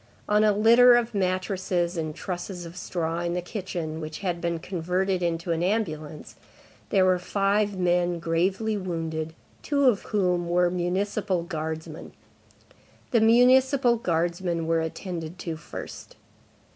On a litter of mattresses and trusses of straw in the kitchen, which had been converted into an ambulance, there were five men gravely wounded, two of whom were municipal guardsmen. The municipal guardsmen were attended to first.